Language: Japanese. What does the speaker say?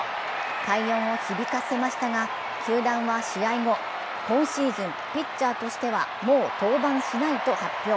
快音を響かせましたが球団は試合後、今シーズン、ピッチャーとしてはもう登板しないと発表。